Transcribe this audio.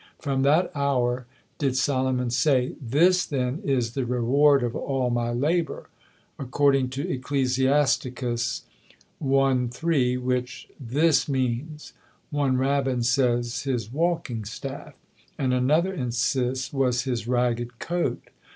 From that hour did Solomon say, "This then is the reward of all my labour," according to Ecclesiasticus i. 3; which this means, one rabbin says, his walking staff; and another insists was his ragged coat.